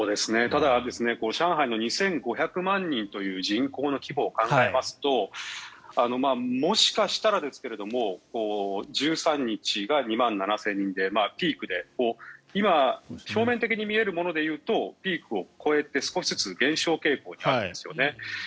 ただ、上海の２５００万人という人口の規模を考えますともしかしたらですけれども１３日が２万７０００人でピークで今表面的に見えるものでいうとピークを超えて、少しずつ減少傾向にあるんですよね。